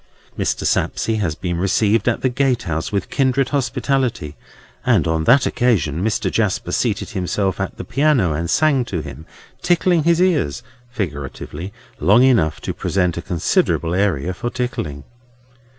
Mr. Sapsea has been received at the gatehouse with kindred hospitality; and on that occasion Mr. Jasper seated himself at the piano, and sang to him, tickling his ears—figuratively—long enough to present a considerable area for tickling.